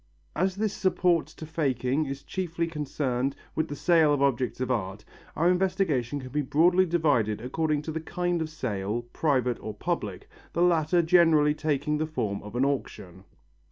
As this support to faking is chiefly concerned with the sale of objects of art, our investigation can be broadly divided according to the kind of sale, private or public, the latter generally taking the form of an auction.